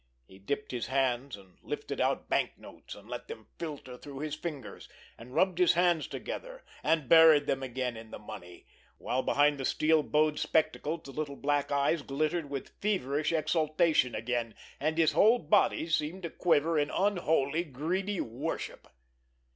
He dipped in his hands and lifted out banknotes, and let them filter through his fingers, and rubbed his hands together, and buried them again in the money; while behind the steel bowed spectacles his little black eyes glittered with feverish exaltation again, and his whole body seemed to quiver in unholy, greedy worship.